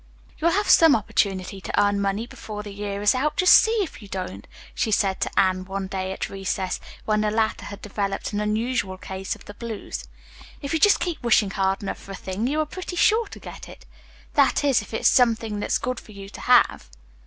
"You'll have some opportunity to earn money before the year is out, just see if you don't," she said to Anne one day at recess, when the latter had developed an unusual case of the blues. "If you just keep wishing hard enough for a thing you are pretty sure to get it. That is, if it's something that's good for you to have."